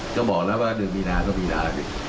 ก็บอกแล้วว่า๑มีนาคมก็๑มีนาคม